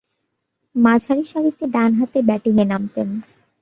মাঝারিসারিতে ডানহাতে ব্যাটিংয়ে নামতেন।